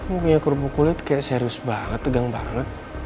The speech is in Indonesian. gue punya kerubuk kulit kayak serius banget tegang banget